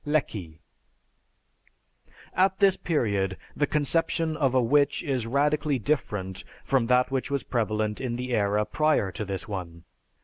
'" (Lecky.) At this period the conception of a witch is radically different from that which was prevalent in the era prior to this one.